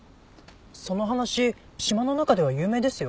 その話島の中では有名ですよ。